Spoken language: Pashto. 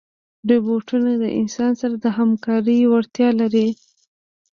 روبوټونه د انسان سره د همکارۍ وړتیا لري.